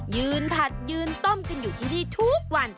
ผัดยืนต้มกันอยู่ที่นี่ทุกวัน